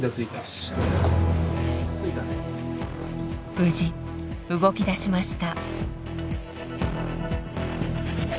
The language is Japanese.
無事動き出しました。